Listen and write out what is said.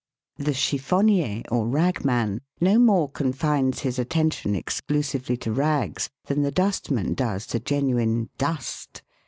The chiffonnier, or " ragman," no more confines his attention exclusively to " rags " than the dustman does to genuine " dust."